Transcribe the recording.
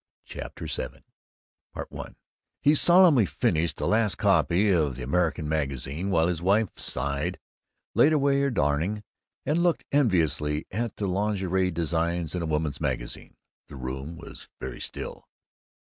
CHAPTER VII I He solemnly finished the last copy of the American Magazine, while his wife sighed, laid away her darning, and looked enviously at the lingerie designs in a women's magazine. The room was very still.